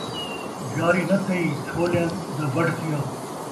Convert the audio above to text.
یاری ناں تھئی ، چھولیاں دا وڈھ تھیا